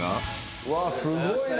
・うわっすごいね。